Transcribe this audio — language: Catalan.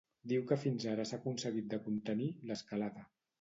Diu que fins ara s’ha aconseguit de contenir ‘l’escalada’.